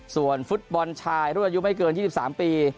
ส่วนฟุตบอลชายรุ่นอายุไม่เกิน๒๓ปี